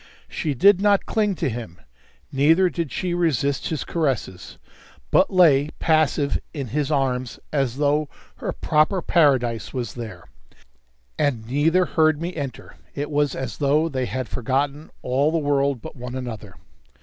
She did not cling to him. Neither did she resist his caresses, but lay passive in his arms as though her proper paradise was there. And neither heard me enter; it was as though they had forgotten all the world but one another.